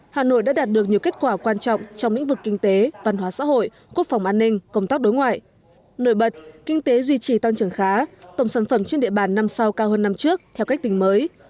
hà nội đã đạt được nhiều kết quả quan trọng trong lĩnh vực kinh tế văn hóa xã hội quốc phòng an ninh công tác đối ngoại nổi bật kinh tế duy trì tăng trưởng khá tổng sản phẩm trên địa bàn năm sau cao hơn năm trước theo cách tính mới